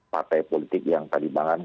partai politik yang tadi malam